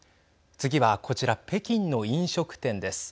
次はこちら北京の飲食店です。